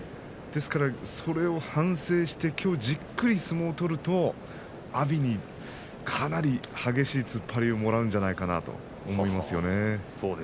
ですから、それを反省してきょうじっくり相撲を取ると阿炎にかなり激しい突っ張りをもらうんじゃないかなと思うんですよ。